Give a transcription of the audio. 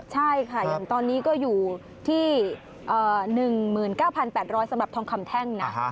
ใช่ค่ะอย่างตอนนี้ก็อยู่ที่๑๙๘๐๐สำหรับทองคำแท่งนะ